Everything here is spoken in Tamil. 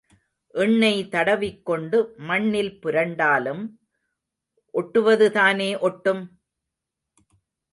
எண்ணெய் தடவிக் கொண்டு மண்ணில் புரண்டாலும் ஒட்டுவது தானே ஒட்டும்?